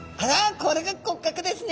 これが骨格ですね！